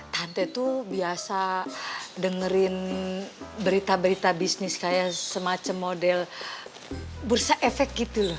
tante tuh biasa dengerin berita berita bisnis kayak semacam model bursa efek gitu loh